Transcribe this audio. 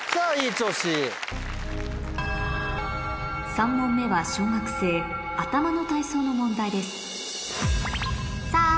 ３問目は小学生頭の体操の問題です